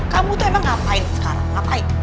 kamu tuh emang ngapain sekarang ngapain